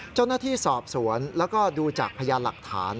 เจ้าหน้าที่สอบสวนแล้วก็ดูจากพยานหลักฐาน